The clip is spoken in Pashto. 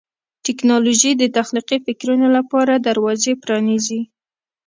ټیکنالوژي د تخلیقي فکرونو لپاره دروازې پرانیزي.